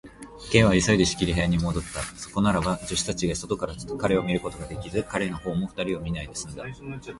Ｋ は急いで仕切り部屋へもどった。そこならば、助手たちが外から彼を見ることができず、彼のほうも二人を見ないですんだ。